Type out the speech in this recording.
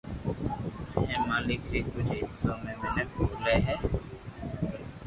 ھي ملڪ ري ڪجھ حصو ۾ ميينک ٻولي ھي